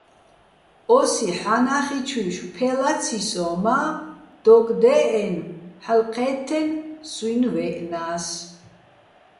ოსი ჰ̦ანახიჩუჲშვ ფე ლაცი სოჼ, მა დოკ დეჸენო̆, ჰ̦ალო ჴეთთენო̆ სუჲნი̆ ვეჸნას.